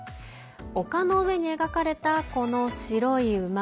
丘の上に描かれたこの白い馬。